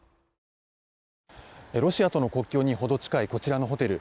ロシアとの国境に程近いこちらのホテル